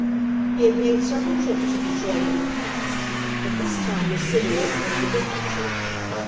He had made several trips to Detroit in the past, but this time the city looked very different to him.